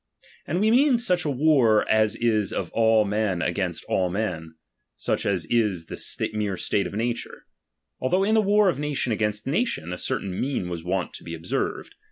And we mean such a war, as is of all men against all men ; such as is the mere state of nature ; although in the war of nation against nation, a certain mean was wont to be observed.